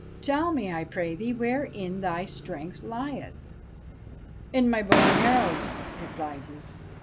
Tell me, I pray thee, wherein thy strength lieth.' "5 BASHTCHELIK ' In my bow and arrows,' replied he.